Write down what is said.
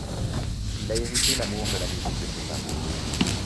Il a hérité l'amour de la musique de ses parents.